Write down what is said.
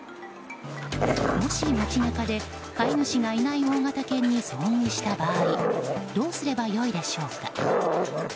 もし街中で飼い主がいない大型犬に遭遇した場合どうすれば良いでしょうか。